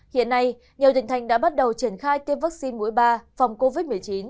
hiện nay nhiều tỉnh thành đã bắt đầu triển khai tiêm vaccine mũi ba phòng covid một mươi chín